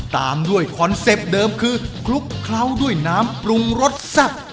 ตามด้วยคอนเซ็ปต์เดิมคือคลุกเคล้าด้วยน้ำปรุงรสแซ่บ